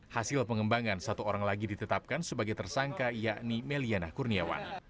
hasil pengembangan satu orang lagi ditetapkan sebagai tersangka yakni meliana kurniawan